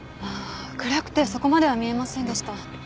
暗くてそこまでは見えませんでした。